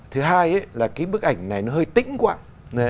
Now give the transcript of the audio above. thứ hai là cái bức ảnh này nó hơi tĩnh quạng